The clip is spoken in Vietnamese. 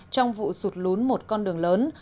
trong vụ sụt lún một con đường lớn